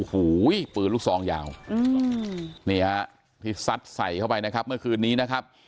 โอ้โหปืนลูกซองยาวนี่ฮะที่ซัดใส่เข้าไปนะครับเมื่อคืนนี้นะครับ